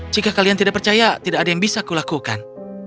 jika kalian tidak percaya tidak ada yang bisa kulakukan